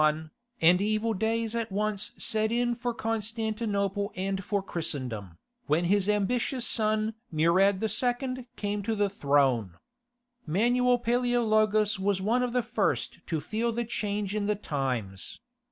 _) Mahomet the Unifier died in 1421, and evil days at once set in for Constantinople and for Christendom, when his ambitious son Murad II. came to the throne. Manuel Paleologus was one of the first to feel the change in the times.